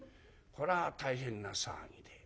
こら大変な騒ぎで。